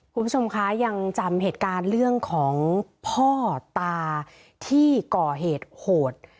คุณผู้ชมคะยังจำเหตุการณ์เรื่องของพ่อตาที่ก่อเหตุโหด